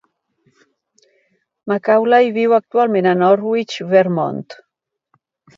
Macaulay viu actualment a Norwich, Vermont.